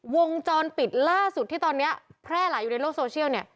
วงจรปิดล่าสุดที่ตอนนี้แพร่หลายอยู่ในโลกโซเชียลเนี่ย